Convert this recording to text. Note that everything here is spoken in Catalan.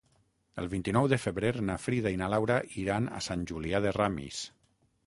El vint-i-nou de febrer na Frida i na Laura iran a Sant Julià de Ramis.